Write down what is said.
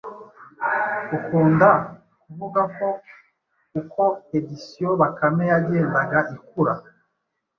Ukunda ,kuvuga ko uko Editions Bakame yagendaga ikura